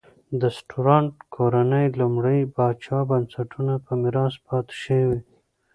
د سټورات کورنۍ لومړي پاچا بنسټونه په میراث پاتې شوې.